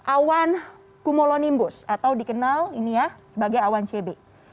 awan cumulonimbus atau dikenal ini ya sebagai awan cb